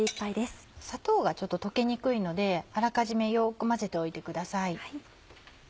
砂糖がちょっと溶けにくいのであらかじめよく混ぜておいてください。